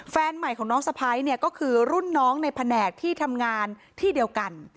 แฟนใหม่ของน้องสะพ้ายเนี่ยก็คือรุ่นน้องในแผนกที่ทำงานที่เดียวกัน